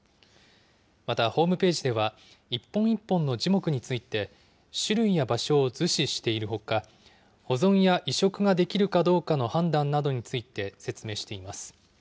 またホームページでは、一本一本の樹木について種類や場所を図示しているほか、保存や移植ができるかどうかの判断などについて説明しています。